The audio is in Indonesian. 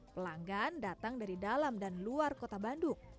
pelanggan datang dari dalam dan luar kota bandung